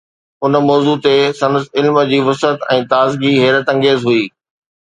ان موضوع تي سندس علم جي وسعت ۽ تازگي حيرت انگيز هئي.